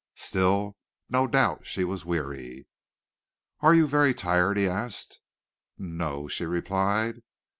Still no doubt she was weary. "Are you very tired?" he asked. "No o," she replied.